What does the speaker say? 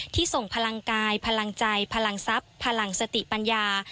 ส่งพลังกายพลังใจพลังทรัพย์พลังสติปัญญา